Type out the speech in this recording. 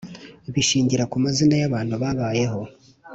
Bishingira ku mazina y'abantu babayeho